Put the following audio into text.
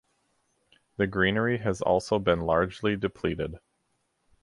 The greenery has also been largely depleted.